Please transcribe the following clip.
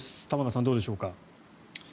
玉川さん、どうでしょうか。